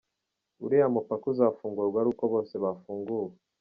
Uriya mupaka uzafungurwa ari uko bose bafunguwe”.